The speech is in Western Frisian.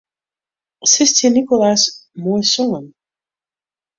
Sis tsjin Nicolas: Moai songen.